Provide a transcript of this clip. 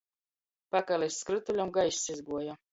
Pakalis skrytuļam gaiss izguoja.